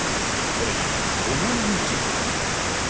これが思わぬ事態に。